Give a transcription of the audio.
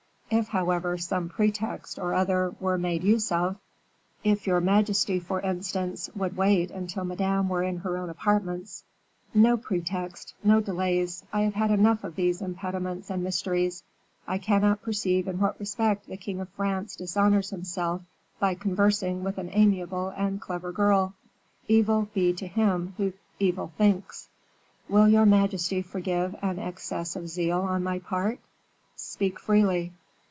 If, however, some pretext or other were made use of if your majesty, for instance, would wait until Madame were in her own apartments " "No pretext; no delays. I have had enough of these impediments and mysteries; I cannot perceive in what respect the king of France dishonors himself by conversing with an amiable and clever girl. Evil be to him who evil thinks." "Will your majesty forgive an excess of zeal on my part?" "Speak freely."